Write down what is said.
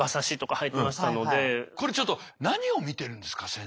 これちょっと何を見てるんですか先生。